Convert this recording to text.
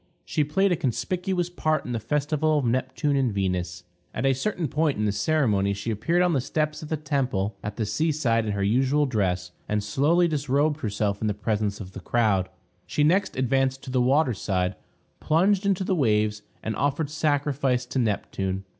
She played a conspicuous part in the festival of Neptune and Venus. At a certain point in the ceremony she appeared on the steps of the temple at the sea side in her usual dress, and slowly disrobed herself in the presence of the crowd. She next advanced to the water side, plunged into the waves, and offered sacrifice to Neptune.